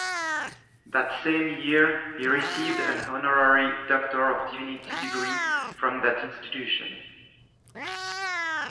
That same year he received an honorary Doctor of Divinity degree from that institution.